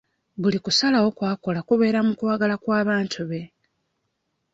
Buli kusalawo kw'akola kubeera mu kwagala kw'abantu be.